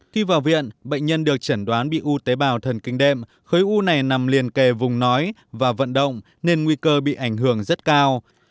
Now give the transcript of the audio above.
khi vào viện bệnh nhân được chẩn đoán bị u tế bào thần kinh đệm khối u này nằm liền kề vùng nói và vận động nên nguy cơ bị ảnh hưởng rất cao